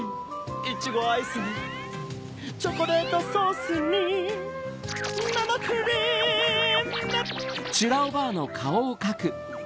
いちごアイスにチョコレートソースになまクリーム！